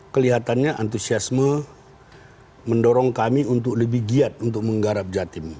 kelihatannya antusiasme mendorong kami untuk lebih giat untuk menggarap jatim